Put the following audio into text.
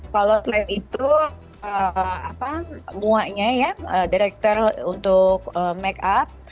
kalau slam itu apa muanya ya director untuk make up